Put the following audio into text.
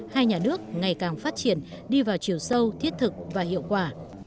hai nhà nước ngày càng phát triển đi vào chiều sâu thiết thực và hiệu quả